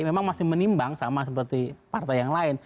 memang masih menimbang sama seperti partai yang lain